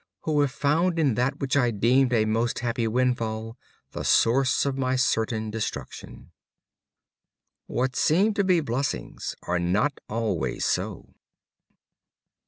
who have found in that which I deemed a most happy windfall the source of my certain destruction." What seem to be blessings are not always so.